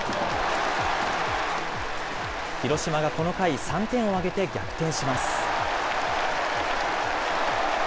広島がこの回、３点を挙げて逆転します。